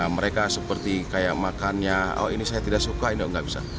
mereka seperti kayak makannya oh ini saya tidak suka ini nggak bisa